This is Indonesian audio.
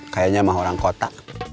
kayaknya mah orang kota